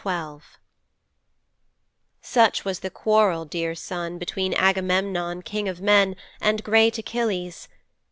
XII Such was the quarrel, dear son, between Agamemnon, King of men, and great Achilles.